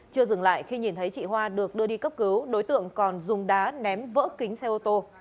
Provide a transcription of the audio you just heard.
chưa dừng lại khi nhìn thấy chị hoa được đưa đi cấp cứu đối tượng còn dùng đá ném vỡ kính xe ô tô